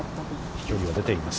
飛距離は出ています。